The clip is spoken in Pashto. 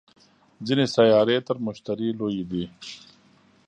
ځینې سیارې تر مشتري لویې دي